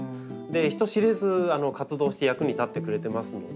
人知れず活動して役に立ってくれてますので。